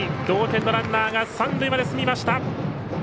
同点のランナーが三塁まで進みました！